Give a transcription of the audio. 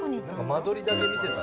間取りだけ見てた。